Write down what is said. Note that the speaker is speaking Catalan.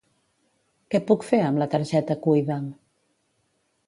Què puc fer amb la targeta Cuida'm?